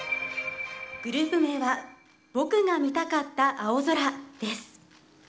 グループ名は僕が見たかった青空です。